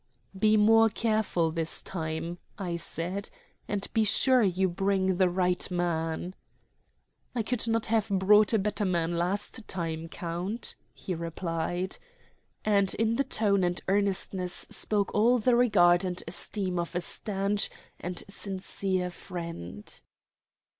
"Be more careful this time," I said, "and be sure you bring the right man." "I could not have brought a better man last time, count," he replied. And in the tone and earnestness spoke all the regard and esteem of a stanch and sincere friend.